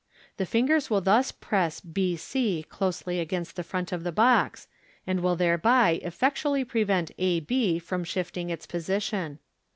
The fin gers will thus press b c closely against the front of the box, and will there by effectually prevent a b from shifting its position.